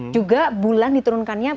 juga bulan diturunkannya